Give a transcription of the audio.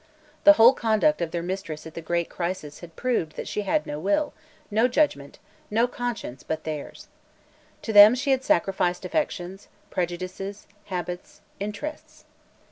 The whole conduct of their mistress at the great crisis had proved that she had no will, no judgment, no conscience, but theirs. To them she had sacrificed affections, prejudices, habits, interests.